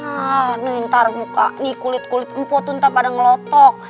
ah nih ntar muka nih kulit kulit empuk tuh ntar pada ngelotok